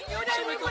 ya udah ibu ibu